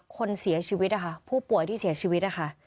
คนเสียชีวิตนะคะผู้ป่วยที่เสียชีวิตนะคะ